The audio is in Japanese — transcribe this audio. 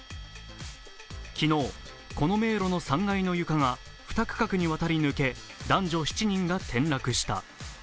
昨日、この迷路の３階の床が２区画にわたり抜け男女７人が転落した。